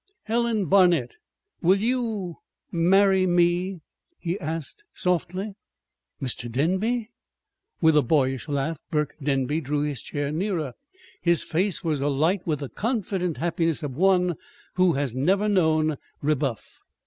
"Helen Barnet, will you marry me?" he asked softly. "Mr. Denby!" With a boyish laugh Burke Denby drew his chair nearer. His face was alight with the confident happiness of one who has never known rebuff.